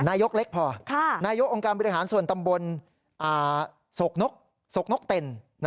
นายกเล็กพอนายกองค์การบริหารส่วนตำบลโศกนกเต็น